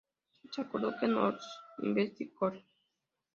Se acordó que Northland Investment Corp.